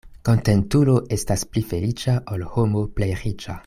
Kontentulo estas pli feliĉa, ol homo plej riĉa.